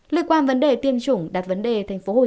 liên quan vấn đề tiêm chủng đặt vấn đề tp hcm có chủ yếu